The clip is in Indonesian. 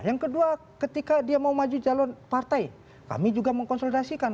yang kedua ketika dia mau maju calon partai kami juga mengkonsolidasikan